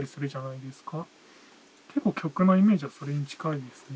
結構曲のイメージはそれに近いですね。